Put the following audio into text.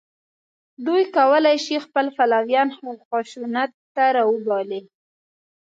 دوی کولای شي خپل پلویان خشونت ته راوبولي